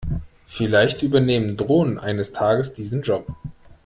Vielleicht übernehmen Drohnen eines Tages diesen Job.